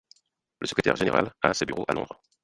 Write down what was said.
Le secrétaire général a ses bureaux à Londres.